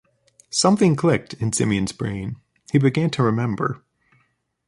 Something clicked in Simeon's brain. He began to remember.